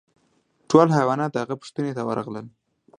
ټول حیوانات د هغه پوښتنې ته ورغلل.